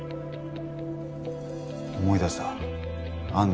思い出したあんた